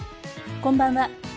こんばんは。